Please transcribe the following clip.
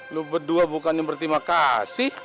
lu berdua bukannya berterima kasih